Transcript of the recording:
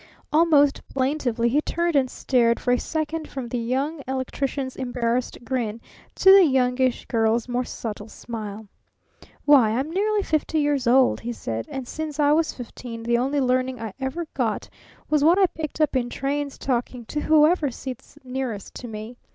Almost plaintively he turned and stared for a second from the Young Electrician's embarrassed grin to the Youngish Girl's more subtle smile. "Why, I'm nearly fifty years old," he said, "and since I was fifteen the only learning I've ever got was what I picked up in trains talking to whoever sits nearest to me.